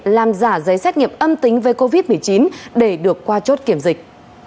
làm giả giấy xét nghiệm âm tính với covid một mươi chín để được qua chốt kiểm dịch